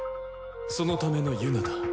そのためのユナだ。